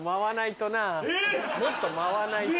もっと舞わないと。